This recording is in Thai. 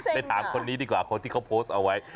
ไปถามคนนี้ดีกว่าคนที่เขาโพสต์เอาไว้